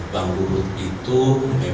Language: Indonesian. bang lehut itu